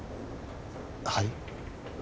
はい？